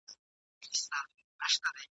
سوداګر ویل دا څه اپلاتي وایې؟ !.